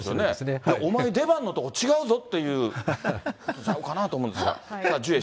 お前出番のとこ違うぞっていう、ちゃうかなと思うんですが。